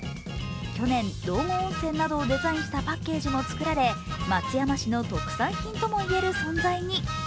去年、道後温泉などをデザインしたパッケージも作られ松山市の特産品ともいえる存在に。